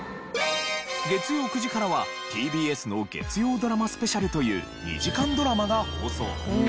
月曜９時からはＴＢＳの月曜ドラマスペシャルという２時間ドラマが放送。